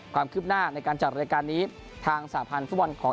ความคลิบหน้าในการจัดรายการนี้ทางสาธารณภาคภูมิของอาเซียน